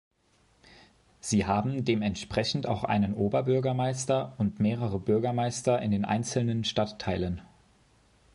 Sie haben dementsprechend auch einen Oberbürgermeister und mehrere Bürgermeister in den einzelnen Stadtteilen.